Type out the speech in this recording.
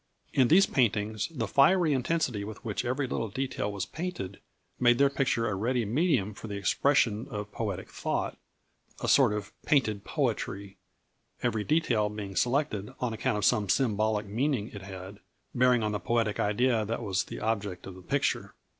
In these paintings the fiery intensity with which every little detail was painted made their picture a ready medium for the expression of poetic thought, a sort of "painted poetry," every detail being selected on account of some symbolic meaning it had, bearing on the poetic idea that was the object of the picture.